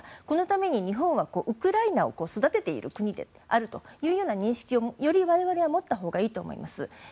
このために日本はウクライナを育てている国であるという認識をより我々は持ったほうがいいと思います。